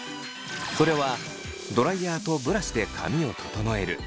それはドライヤーとブラシで髪を整えるブロー。